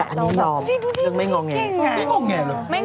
แต่อันนี้เริ่มแปลงยังไม่ง้องแง